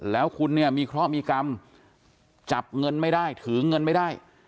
แล้วคุณเนี่ยมีเคราะห์มีกรรมจับเงินไม่ได้ถือเงินไม่ได้